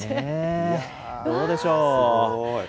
どうでしょう。